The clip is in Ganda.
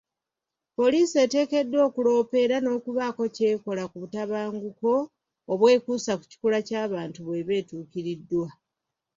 Poliisi eteekeddwa okuloopa era n'okubaako kyekola ku butabanguko obwekuusa ku kikula ky'abantu bweba etuukiriddwa.